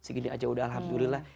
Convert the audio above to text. segini aja udah alhamdulillah